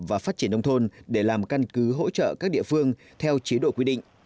và phát triển nông thôn để làm căn cứ hỗ trợ các địa phương theo chế độ quy định